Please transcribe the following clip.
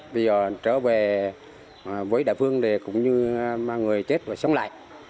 bây giờ trở về với đại phương cũng như người chết và sống lại